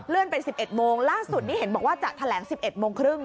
ไป๑๑โมงล่าสุดนี้เห็นบอกว่าจะแถลง๑๑โมงครึ่ง